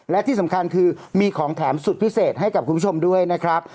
และที่สำคัญคือมีของแถมสุดพิเศษให้กับคุณผู้ชมด้วยนะครับ